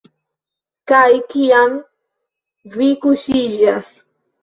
Kaj kiam vi kuŝiĝas?